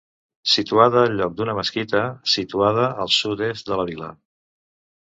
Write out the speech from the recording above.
Situada al lloc d'una mesquita situada al sud-est de la vila.